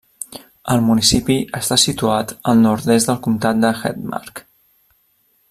El municipi està situat al nord-est del comtat de Hedmark.